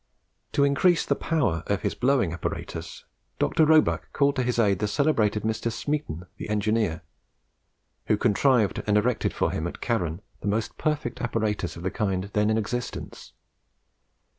To increase the power of his blowing apparatus, Dr. Roebuck called to his aid the celebrated Mr. Smeaton, the engineer, who contrived and erected for him at Carron the most perfect apparatus of the kind then in existence.